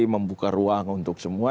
membuka ruang untuk semua